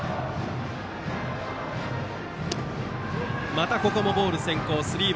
またここもボール先行。